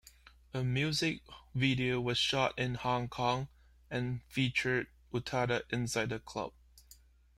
A music video was shot in Hong Kong, and featured Utada inside a club.